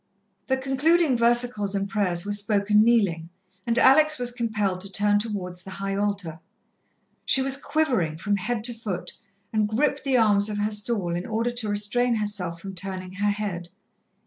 The concluding versicles and prayers were spoken kneeling, and Alex was compelled to turn towards the High Altar. She was quivering from head to foot, and gripped the arms of her stall in order to restrain herself from turning her head.